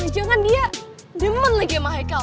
jangan jangan dia demen lagi sama haikal